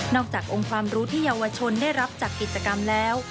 อกจากองค์ความรู้ที่เยาวชนได้รับจากกิจกรรมแล้ว